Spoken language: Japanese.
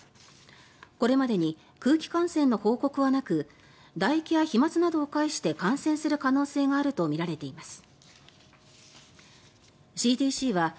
これまでに空気感染の報告はなくだ液や飛まつなどを介して感染する可能性があるとみられています。